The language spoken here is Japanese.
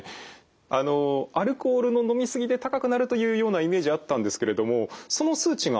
あのアルコールの飲み過ぎで高くなるというようなイメージあったんですけれどもその数値がヒントになるんですか？